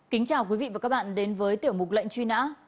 kính chào quý vị và các bạn đến với tiểu mục lệnh truy nã